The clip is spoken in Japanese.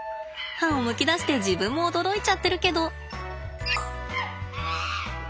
歯をむき出して自分も驚いちゃってるけど！